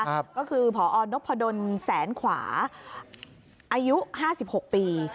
ก็คือพอนพดลแสนขวาอายุ๕๖ปี